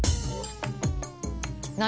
何？